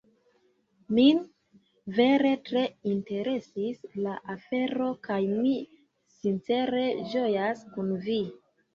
Min vere tre interesis la afero kaj mi sincere ĝojas kun Vi!